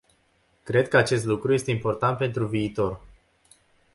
Cred că acest lucru este important pentru viitor.